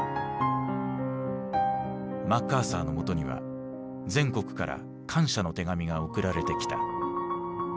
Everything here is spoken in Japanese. マッカーサーのもとには全国から感謝の手紙が送られてきた。